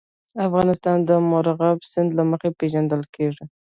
افغانستان د مورغاب سیند له مخې پېژندل کېږي.